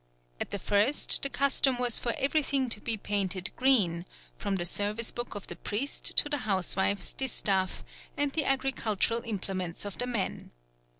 At the first the custom was for everything to be painted green, from the service book of the priest to the housewife's distaff and the agricultural implements of the men.